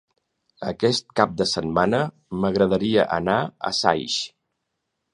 Aquest cap de setmana m'agradaria anar a Saix.